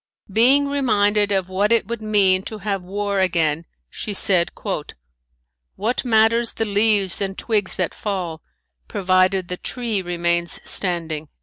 Being reminded of what it would mean to have war again she said: "What matters the leaves and twigs that fall, provided the tree remains standing."